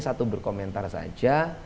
satu berkomentar saja